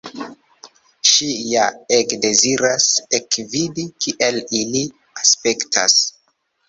Ŝi ja ege deziras ekvidi, kiel ili aspektas.